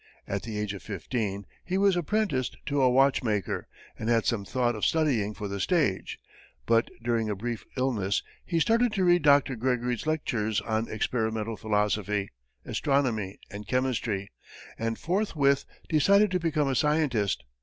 At the age of fifteen he was apprenticed to a watchmaker, and had some thought of studying for the stage, but during a brief illness, he started to read Dr. Gregory's "Lectures on Experimental Philosophy, Astronomy and Chemistry," and forthwith decided to become a scientist.